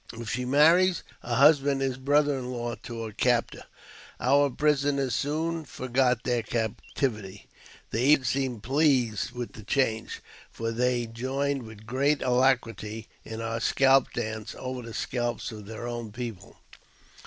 If she marries, her husband is brother in law to her captor. Our prisoners soon forgot their captivity ; they even seemed pleased with the change, for they joined with great alacrity in our scalp dance over the scalps of their own people.